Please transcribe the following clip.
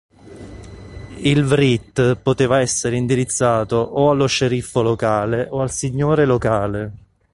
Il Writ poteva essere indirizzato o allo sceriffo locale o al signore locale.